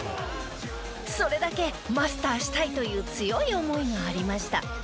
それだけマスターしたいという強い思いがありました。